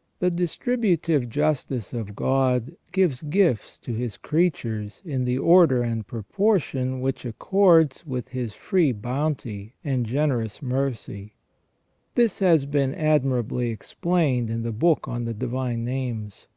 * The distributive justice of God gives gifts to His creatures in the order and proportion which accords with His free bounty and generous mercy. This has been admirably explained in the Book on the Divine Names.